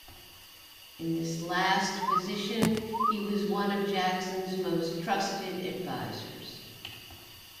In this last position he was one of Jackson's most trusted advisers.